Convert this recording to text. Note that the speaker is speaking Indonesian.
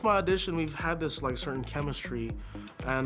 kamu tahu sejak penyelamatanku kita memiliki kemisi yang tertentu